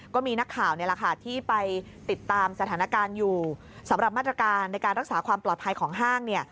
ก็มีนักข่าวนี่แหละค่ะที่ไปติดตามสถานการณ์อยู่สำหรับมาตรการในการรักษาความปลอดภัยของห้างเนี่ย